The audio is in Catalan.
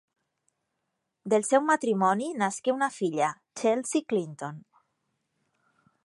Del seu matrimoni nasqué una filla, Chelsea Clinton.